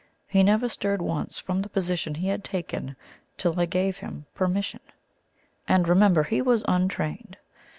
He never stirred once from the position he had taken, till I gave him permission and remember, he was untrained.